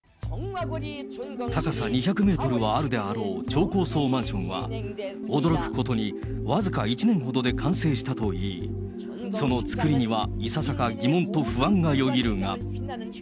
高さ２００メートルはあるであろう超高層マンションは、驚くことに、僅か１年ほどで完成したといい、そのつくりにはいささか不安と疑問がよぎるが。